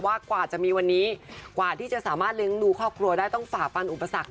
ว่ากว่าจะมีวันนี้กว่าที่จะสามารถเลี้ยงดูครอบครัวได้ต้องฝ่าฟันอุปสรรค